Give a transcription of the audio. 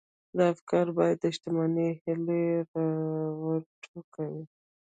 دا افکار بايد د شتمنۍ هيلې را وټوکوي.